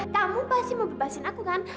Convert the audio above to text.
kamu pasti mau bebasin aku kan